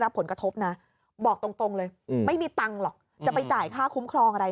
ผลกระทบนะบอกตรงเลยไม่มีตังค์หรอกจะไปจ่ายค่าคุ้มครองอะไร